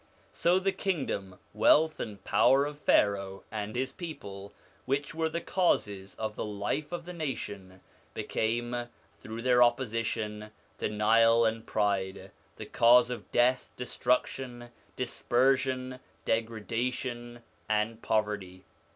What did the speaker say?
So the kingdom, wealth, and power of Pharaoh and his people, which were the causes of the life of the nation, became, through their opposition, denial, and pride, the cause of death, destruction, dispersion, degradation, and poverty.